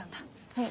はい。